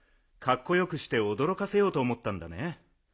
かっこよくしておどろかせようとおもったんだね。